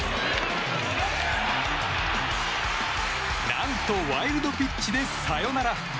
何とワイルドピッチでサヨナラ。